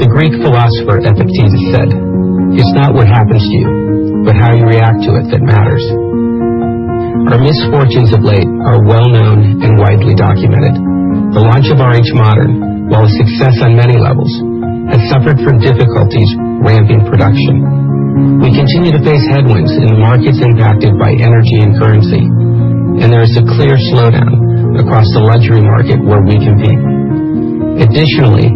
The Greek philosopher Epictetus said, "It's not what happens to you, but how you react to it that matters." Our misfortunes of late are well-known and widely documented. The launch of RH Modern, while a success on many levels, has suffered from difficulties ramping production. We continue to face headwinds in the markets impacted by energy and currency. There is a clear slowdown across the luxury market where we compete. Additionally,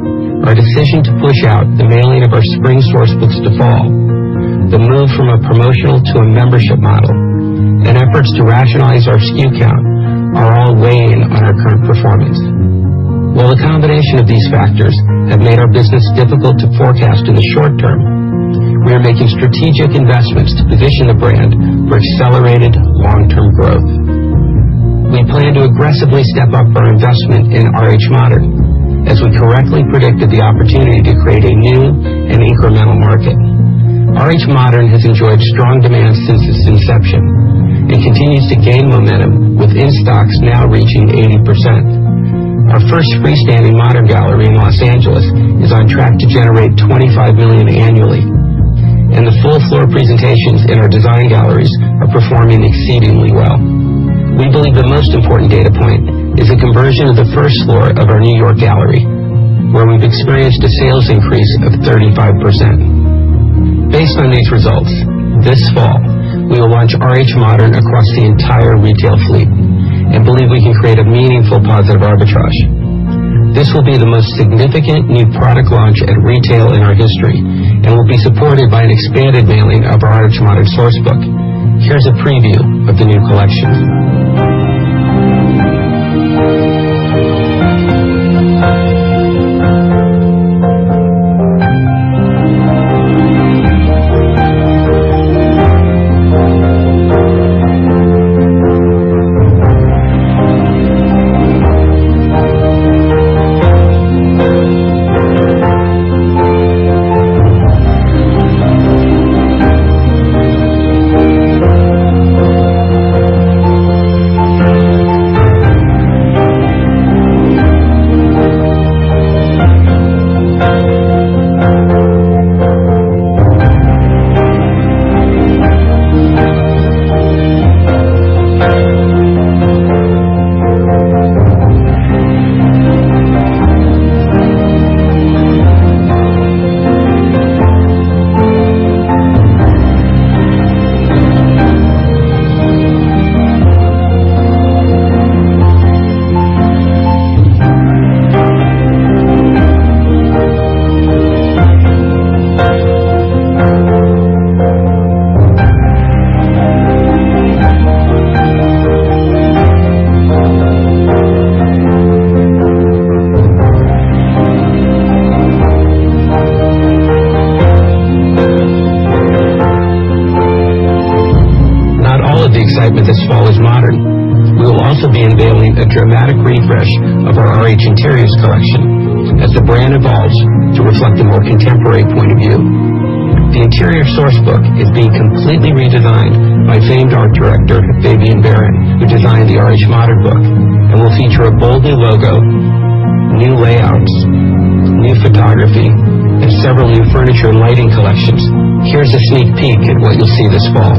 our decision to push out the mailing of our spring Source Books to fall, the move from a promotional to a membership model, and efforts to rationalize our SKU count are all weighing on our current performance. While the combination of these factors have made our business difficult to forecast in the short term, we are making strategic investments to position the brand for accelerated long-term growth. We plan to aggressively step up our investment in RH Modern as we correctly predicted the opportunity to create a new and incremental market. RH Modern has enjoyed strong demand since its inception and continues to gain momentum with in-stocks now reaching 80%. Our first freestanding Modern gallery in Los Angeles is on track to generate $25 million annually. The full floor presentations in our design galleries are performing exceedingly well. We believe the most important data point is the conversion of the first floor of our New York gallery, where we've experienced a sales increase of 35%. Based on these results, this fall, we will launch RH Modern across the entire retail fleet and believe we can create a meaningful positive arbitrage. This will be the most significant new product launch at retail in our history. It will be supported by an expanded mailing of our RH Modern Sourcebook. Here's a preview of the new collection. Not all of the excitement this fall is Modern. We will also be unveiling a dramatic refresh of our RH Interiors collection as the brand evolves to reflect a more contemporary point of view. The Interior Source Book is being completely redesigned by famed art director, Fabien Baron, who designed the RH Modern Source Book and will feature a bold new logo, new layouts, new photography, and several new furniture and lighting collections. Here's a sneak peek at what you'll see this fall.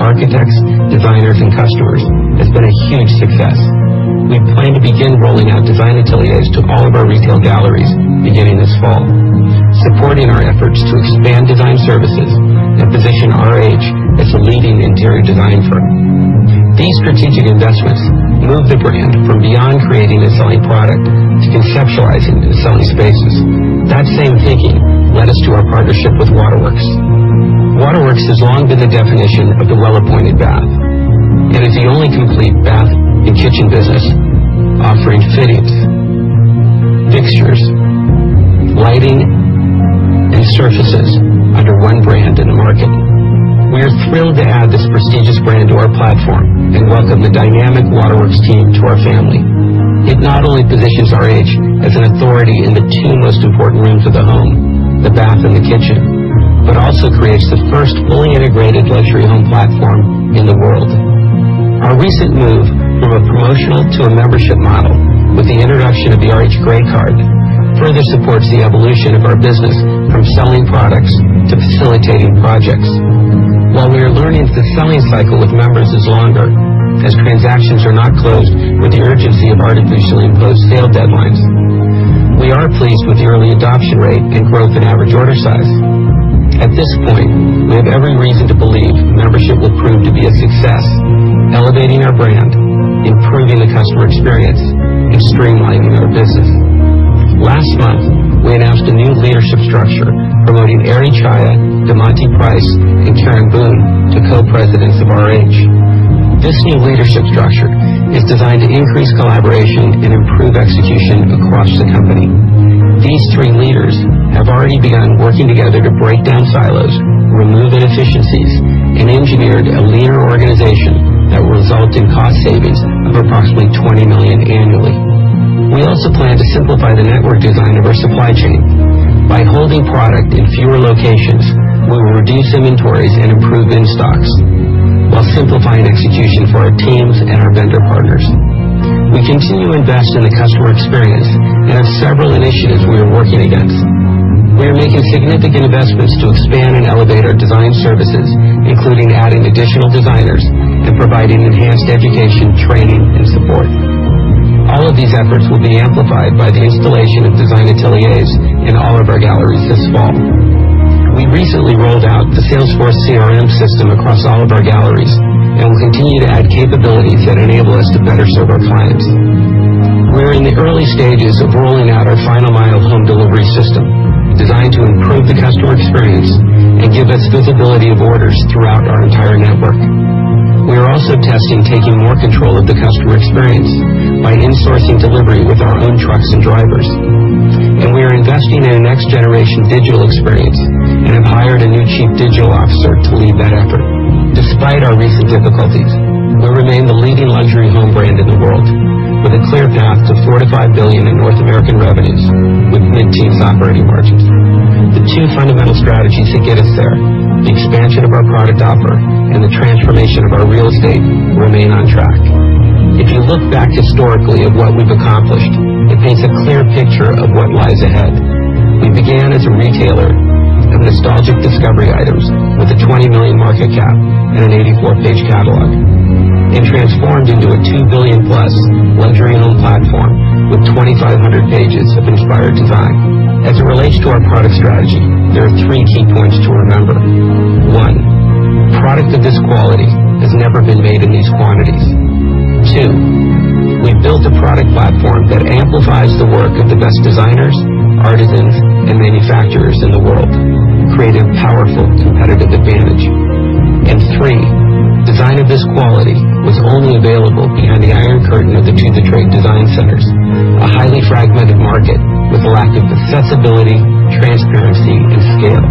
Additionally, the test of our first Design Atelier in Chicago, a fully integrated workspace for architects, designers, and customers, has been a huge success. We plan to begin rolling out Design Ateliers to all of our retail galleries beginning this fall, supporting our efforts to expand design services and position RH as a leading interior design firm. These strategic investments move the brand from beyond creating and selling product to conceptualizing and selling spaces. That same thinking led us to our partnership with Waterworks. Waterworks has long been the definition of the well-appointed bath. It is the only complete bath and kitchen business offering fittings, fixtures, lighting, and surfaces under one brand in the market. We are thrilled to add this prestigious brand to our platform and welcome the dynamic Waterworks team to our family. It not only positions RH as an authority in the two most important rooms of the home, the bath and the kitchen, but also creates the first fully integrated luxury home platform in the world. Our recent move from a promotional to a membership model with the introduction of the RH Grey Card further supports the evolution of our business from selling products to facilitating projects. While we are learning that the selling cycle with members is longer, as transactions are not closed with the urgency of artificially imposed sale deadlines, we are pleased with the early adoption rate and growth in average order size. At this point, we have every reason to believe membership will prove to be a success, elevating our brand, improving the customer experience, and streamlining our business. Last month, we announced a new leadership structure promoting Eri Chaya, DeMonty Price, and Karen Boone to Co-Presidents of RH. This new leadership structure is designed to increase collaboration and improve execution across the company. These three leaders have already begun working together to break down silos, remove inefficiencies, and engineered a leaner organization that will result in cost savings of approximately $20 million annually. We also plan to simplify the network design of our supply chain. By holding product in fewer locations, we will reduce inventories and improve in-stocks while simplifying execution for our teams and our vendor partners. We continue to invest in the customer experience and have several initiatives we are working against. We are making significant investments to expand and elevate our design services, including adding additional designers and providing enhanced education, training, and support. All of these efforts will be amplified by the installation of Design Ateliers in all of our galleries this fall. We recently rolled out the Salesforce CRM system across all of our galleries and will continue to add capabilities that enable us to better serve our clients. We're in the early stages of rolling out our final mile home delivery system, designed to improve the customer experience and give us visibility of orders throughout our entire network. We are also testing taking more control of the customer experience by insourcing delivery with our own trucks and drivers. We are investing in a next generation digital experience and have hired a new Chief Digital Officer to lead that effort. Despite our recent difficulties, we remain the leading luxury home brand in the world with a clear path to $4 billion-$5 billion in North American revenues with mid-teens operating margins. The two fundamental strategies to get us there, the expansion of our product offer and the transformation of our real estate, remain on track. If you look back historically at what we've accomplished, it paints a clear picture of what lies ahead. We began as a retailer of nostalgic discovery items with a $20 million market cap and an 84-page catalog, and transformed into a $2 billion-plus luxury home platform with 2,500 pages of inspired design. As it relates to our product strategy, there are three key points to remember. One, product of this quality has never been made in these quantities. Two, we've built a product platform that amplifies the work of the best designers, artisans, and manufacturers in the world, creating a powerful competitive advantage. three, design of this quality was only available behind the iron curtain of the to-the-trade design centers, a highly fragmented market with a lack of accessibility, transparency, and scale.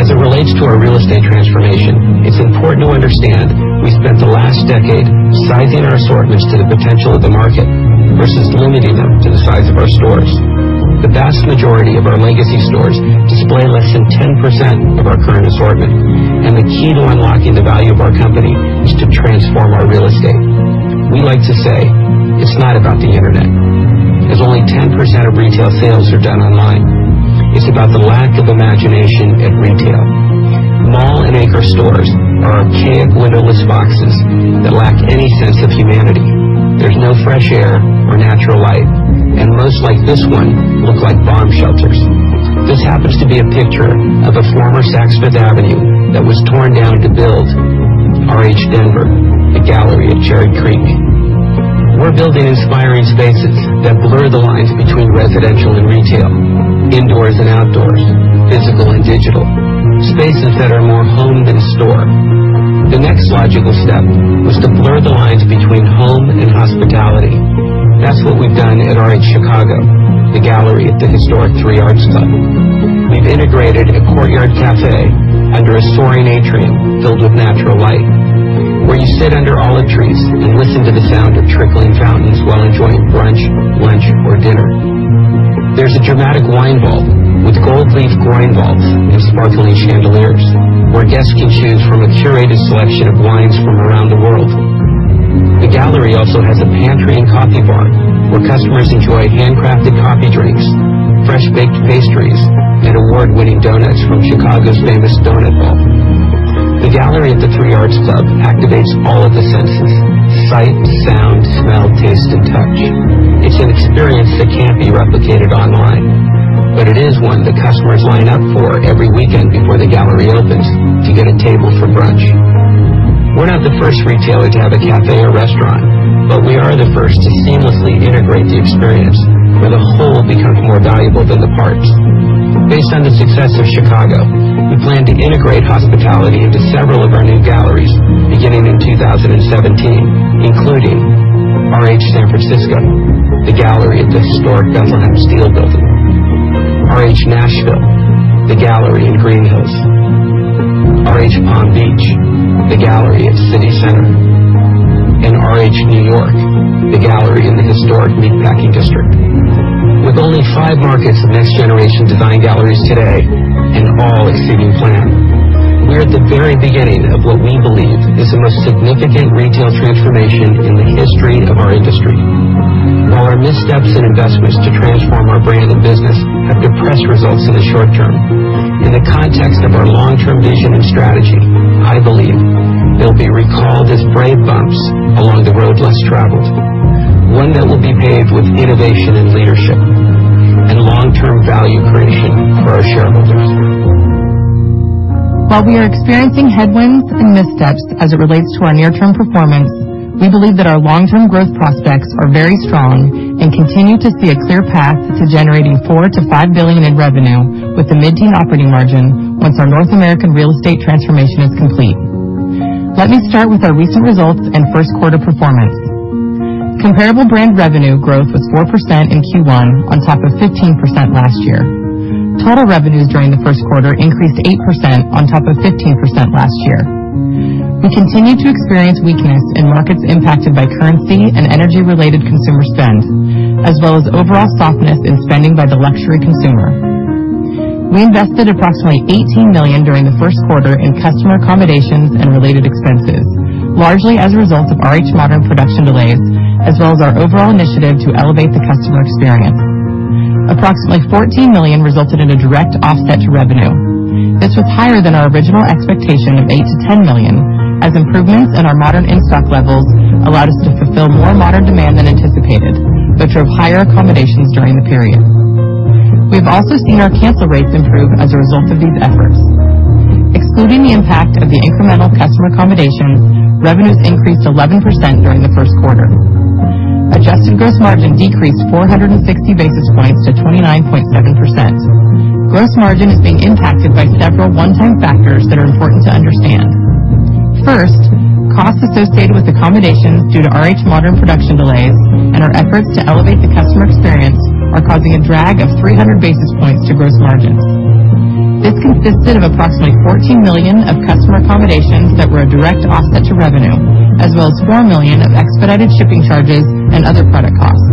As it relates to our real estate transformation, it's important to understand we spent the last decade sizing our assortments to the potential of the market versus limiting them to the size of our stores. The vast majority of our legacy stores display less than 10% of our current assortment, and the key to unlocking the value of our company is to transform our real estate. We like to say it's not about the Internet, as only 10% of retail sales are done online. It's about the lack of imagination at retail. Mall and anchor stores are archaic windowless boxes that lack any sense of humanity. There's no fresh air or natural light, and most like this one look like bomb shelters. This happens to be a picture of a former Saks Fifth Avenue that was torn down to build RH Denver, a gallery at Cherry Creek. We're building inspiring spaces that blur the lines between residential and retail, indoors and outdoors, physical and digital, spaces that are more home than store. The next logical step was to blur the lines between home and hospitality. That's what we've done at RH Chicago, the gallery at the historic Three Arts Club. We've integrated a courtyard cafe under a soaring atrium filled with natural light, where you sit under olive trees and listen to the sound of trickling fountains while enjoying brunch, lunch, or dinner. There's a dramatic wine vault with gold leaf groin vaults and sparkling chandeliers, where guests can choose from a curated selection of wines from around the world. The gallery also has a pantry and coffee bar where customers enjoy handcrafted coffee drinks, fresh baked pastries, and award-winning donuts from Chicago's famous Doughnut Vault. The gallery at the Three Arts Club activates all of the senses: sight, sound, smell, taste, and touch. It's an experience that can't be replicated online, but it is one that customers line up for every weekend before the gallery opens to get a table for brunch. We're not the first retailer to have a cafe or restaurant, but we are the first to seamlessly integrate the experience where the whole becomes more valuable than the parts. Based on the success of Chicago, we plan to integrate hospitality into several of our new galleries beginning in 2017, including RH San Francisco, the gallery at the historic Bethlehem Steel Building RH Nashville, the Gallery in Green Hills, RH Palm Beach, the Gallery at CityPlace, and RH New York, the Gallery in the historic Meatpacking District. With only five markets of next-generation design galleries today, and all exceeding plan, we are at the very beginning of what we believe is the most significant retail transformation in the history of our industry. While our missteps in investments to transform our brand and business have depressed results in the short term, in the context of our long-term vision and strategy, I believe they'll be recalled as brave bumps along the road less traveled. One that will be paved with innovation and leadership and long-term value creation for our shareholders. While we are experiencing headwinds and missteps as it relates to our near-term performance, we believe that our long-term growth prospects are very strong and continue to see a clear path to generating $4 billion-$5 billion in revenue with the mid-teen operating margin, once our North American real estate transformation is complete. Let me start with our recent results and first quarter performance. Comparable brand revenue growth was 4% in Q1 on top of 15% last year. Total revenues during the first quarter increased 8% on top of 15% last year. We continue to experience weakness in markets impacted by currency and energy-related consumer spend, as well as overall softness in spending by the luxury consumer. We invested approximately $18 million during the first quarter in customer accommodations and related expenses, largely as a result of RH Modern production delays, as well as our overall initiative to elevate the customer experience. Approximately $14 million resulted in a direct offset to revenue. This was higher than our original expectation of $8 million-$10 million, as improvements in our Modern in-stock levels allowed us to fulfill more Modern demand than anticipated, which drove higher accommodations during the period. We've also seen our cancel rates improve as a result of these efforts. Excluding the impact of the incremental customer accommodations, revenues increased 11% during the first quarter. Adjusted gross margin decreased 460 basis points to 29.7%. Gross margin is being impacted by several one-time factors that are important to understand. Costs associated with accommodations due to RH Modern production delays and our efforts to elevate the customer experience are causing a drag of 300 basis points to gross margins. This consisted of approximately $14 million of customer accommodations that were a direct offset to revenue, as well as $4 million of expedited shipping charges and other product costs.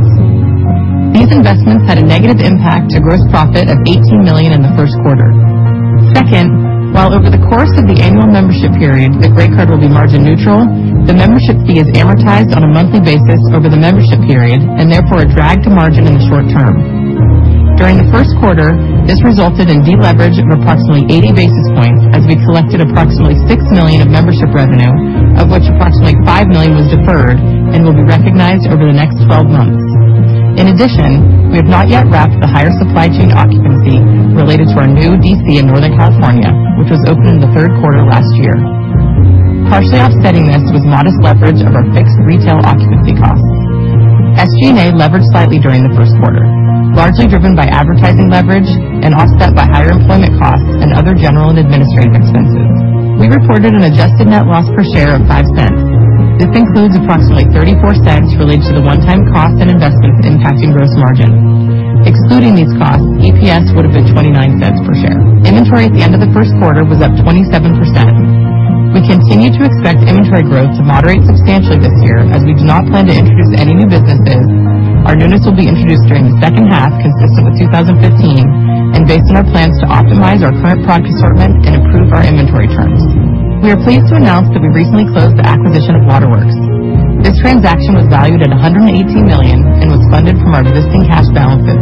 These investments had a negative impact to gross profit of $18 million in the first quarter. While over the course of the annual membership period, the Grey Card will be margin neutral, the membership fee is amortized on a monthly basis over the membership period and therefore a drag to margin in the short term. During the first quarter, this resulted in deleverage of approximately 80 basis points, as we collected approximately $6 million of membership revenue, of which approximately $5 million was deferred and will be recognized over the next 12 months. We have not yet wrapped the higher supply chain occupancy related to our new DC in Northern California, which was opened in the third quarter last year. Partially offsetting this was modest leverage of our fixed retail occupancy costs. SG&A leveraged slightly during the first quarter, largely driven by advertising leverage and offset by higher employment costs and other general and administrative expenses. We reported an adjusted net loss per share of $0.05. This includes approximately $0.34 related to the one-time cost and investments impacting gross margin. Excluding these costs, EPS would have been $0.29 per share. Inventory at the end of the first quarter was up 27%. We continue to expect inventory growth to moderate substantially this year as we do not plan to introduce any new businesses. Our newness will be introduced during the second half consistent with 2015 and based on our plans to optimize our current product assortment and improve our inventory terms. We are pleased to announce that we recently closed the acquisition of Waterworks. This transaction was valued at $118 million and was funded from our existing cash balances.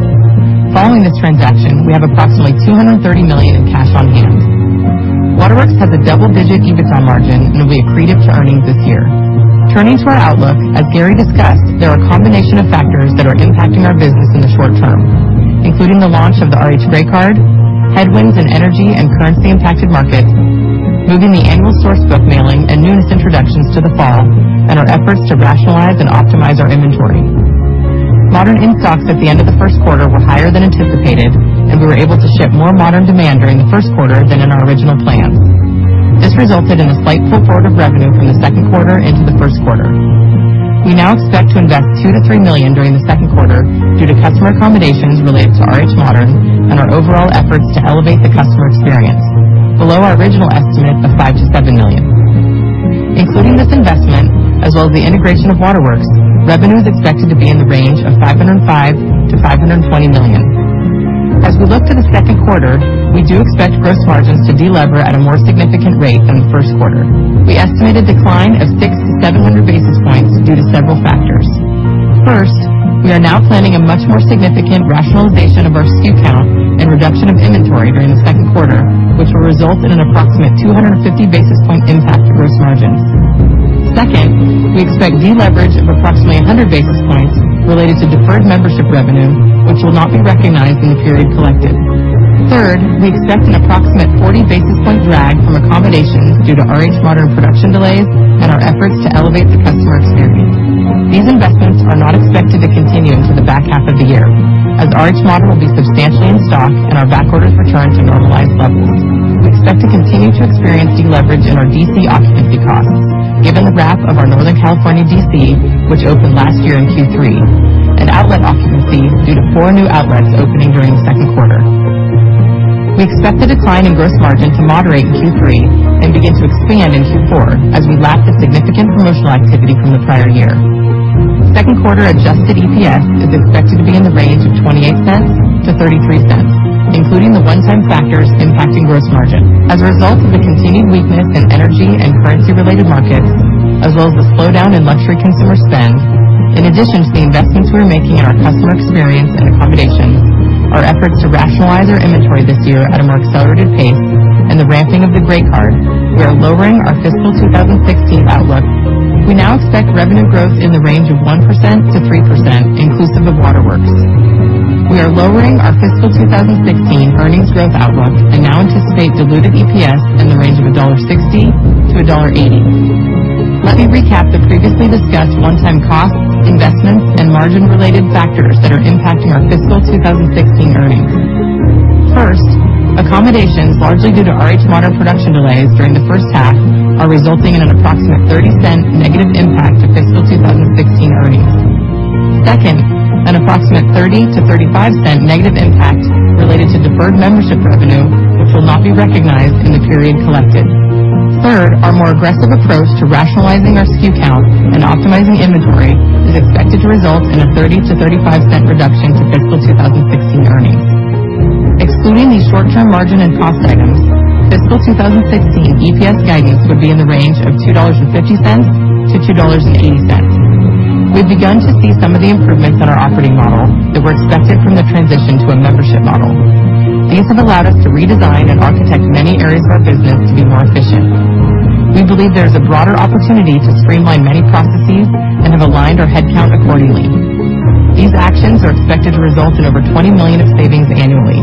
Following this transaction, we have approximately $230 million in cash on hand. Waterworks has a double-digit EBITDA margin and will be accretive to earnings this year. Turning to our outlook, as Gary discussed, there are a combination of factors that are impacting our business in the short term, including the launch of the RH Grey Card, headwinds in energy and currency-impacted markets, moving the annual Source Books mailing and newness introductions to the fall, and our efforts to rationalize and optimize our inventory. RH Modern in-stocks at the end of the first quarter were higher than anticipated, and we were able to ship more RH Modern demand during the first quarter than in our original plan. This resulted in a slight pull forward of revenue from the second quarter into the first quarter. We now expect to invest $2 million-$3 million during the second quarter due to customer accommodations related to RH Modern and our overall efforts to elevate the customer experience, below our original estimate of $5 million-$7 million. Including this investment, as well as the integration of Waterworks, revenue is expected to be in the range of $505 million-$520 million. As we look to the second quarter, we do expect gross margins to delever at a more significant rate than the first quarter. We estimate a decline of 600-700 basis points due to several factors. First, we are now planning a much more significant rationalization of our SKU count and reduction of inventory during the second quarter, which will result in an approximate 250 basis point impact to gross margins. Second, we expect deleverage of approximately 100 basis points related to deferred membership revenue, which will not be recognized in the period collected. Third, we expect an approximate 40 basis point drag from accommodations due to RH Modern production delays and our efforts to elevate the customer experience. These investments are not expected to continue into the back half of the year, as RH Modern will be substantially in stock and we will continue to experience deleverage in our DC occupancy costs given the ramp of our Northern California DC, which opened last year in Q3, and outlet occupancy due to four new outlets opening during the second quarter. We expect the decline in gross margin to moderate in Q3 and begin to expand in Q4 as we lap the significant promotional activity from the prior year. Second quarter adjusted EPS is expected to be in the range of $0.28-$0.33, including the one-time factors impacting gross margin. As a result of the continued weakness in energy and currency-related markets, as well as the slowdown in luxury consumer spend, in addition to the investments we're making in our customer experience and accommodations, our efforts to rationalize our inventory this year at a more accelerated pace and the ramping of the Grey Card, we are lowering our fiscal 2016 outlook. We now expect revenue growth in the range of 1%-3%, inclusive of Waterworks. We are lowering our fiscal 2016 earnings growth outlook and now anticipate diluted EPS in the range of $1.60-$1.80. Let me recap the previously discussed one-time costs, investments, and margin-related factors that are impacting our fiscal 2016 earnings. First, accommodations largely due to RH Modern production delays during the first half are resulting in an approximate $0.30 negative impact to fiscal 2016 earnings. Second, an approximate $0.30-$0.35 negative impact related to deferred membership revenue, which will not be recognized in the period collected. Third, our more aggressive approach to rationalizing our SKU count and optimizing inventory is expected to result in a $0.30-$0.35 reduction to fiscal 2016 earnings. Excluding these short-term margin and cost items, fiscal 2016 EPS guidance would be in the range of $2.50-$2.80. We've begun to see some of the improvements in our operating model that were expected from the transition to a membership model. These have allowed us to redesign and architect many areas of our business to be more efficient. We believe there is a broader opportunity to streamline many processes and have aligned our headcount accordingly. These actions are expected to result in over $20 million of savings annually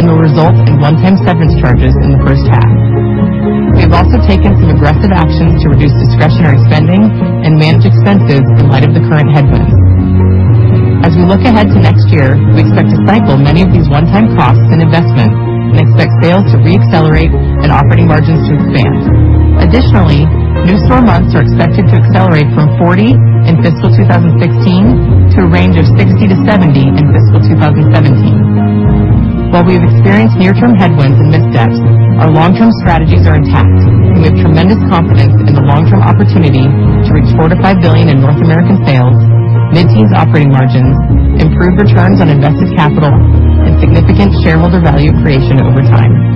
and will result in one-time severance charges in the first half. We have also taken some aggressive actions to reduce discretionary spending and manage expenses in light of the current headwinds. As we look ahead to next year, we expect to cycle many of these one-time costs and investments and expect sales to re-accelerate and operating margins to expand. Additionally, new store months are expected to accelerate from 40 in fiscal 2016 to a range of 60-70 in fiscal 2017. While we have experienced near-term headwinds and missteps, our long-term strategies are intact, and we have tremendous confidence in the long-term opportunity to reach $45 billion in North American sales, mid-teens operating margins, improved returns on invested capital, and significant shareholder value creation over time.